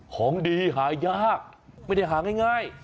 ของดีหายากไม่ได้หาง่าย